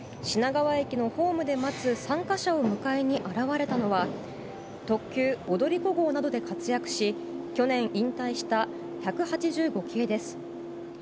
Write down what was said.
品川駅のホームで待つ参加者を迎えに現れたのは特急「踊り子」号などで活躍し去年引退した１８５系です。